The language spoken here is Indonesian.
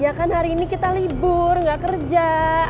ya kan hari ini kita libur nggak kerja